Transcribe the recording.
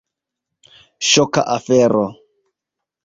Ŝoka afero.